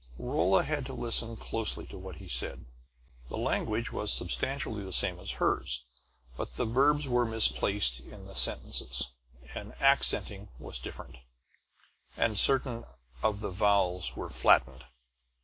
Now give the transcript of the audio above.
Rolla had to listen closely to what he said. The language was substantially the same as hers; but the verbs were misplaced in the sentences, the accenting was different, and certain of the vowels were flatted.